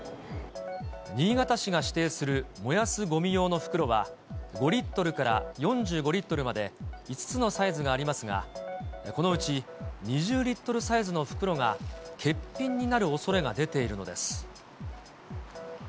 新潟市が指定する燃やすごみ用の袋は、５リットルから４５リットルまで５つのサイズがありますが、このうち２０リットルサイズの袋が欠品になるおそれが出ているのです。